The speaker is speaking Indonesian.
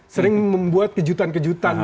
sering membuat kejutan kejutan